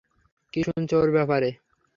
কী শুনেছ ওর ব্যাপারে?